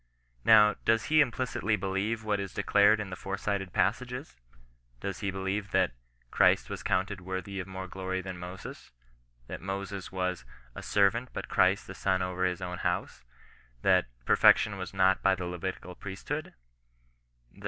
Now, does he implicitly believe what is declared in the fore cited passages ? Does he believe that " Christ was counted worthy of more glory than Moses ;" that Moses was " a servant, but Christ a son over his own house :" that " perfection was not by the Levitical ptiestkood " ^Vssb 52 0H&I8TIAN NON BB8ISTAN0B.